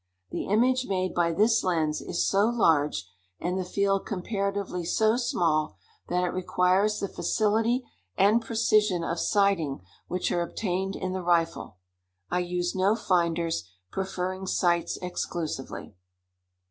The image made by this lens is so large, and the field comparatively so small, that it requires the facility and precision of sighting which are obtained in the rifle. I use no finders, preferring sights exclusively.